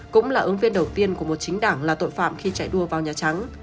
cũng là ứng viên đầu tiên của một chính đảng là tội phạm khi chạy đua vào nhà trắng